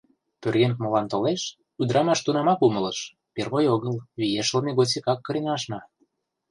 Пӧръеҥ молан толеш, ӱдырамаш тунамак умылыш: первой огыл, виешлыме годсекак кырен ашна.